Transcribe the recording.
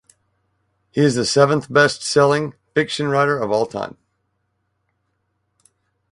He is the seventh best selling fiction writer of all time.